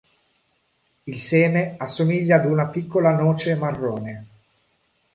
Il seme assomiglia ad una piccola noce marrone.